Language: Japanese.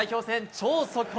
超速報。